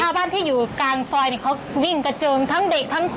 บ้านที่อยู่กลางซอยเขาวิ่งกระเจิงทั้งเด็กทั้งคน